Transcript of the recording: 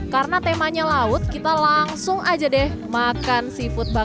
karena temanya laut kita langsung aja deh makan seafood bakar